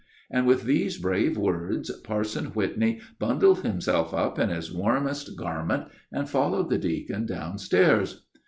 And with these brave words Parson Whitney bundled himself up in his warmest garments, and followed the deacon downstairs.